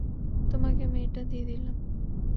তোমাকে মেয়েটা দিয়ে দিলাম।